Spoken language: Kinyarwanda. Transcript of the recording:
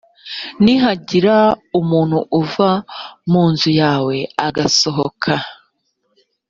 nihagira umuntu uva mu nzu yawe agasohoka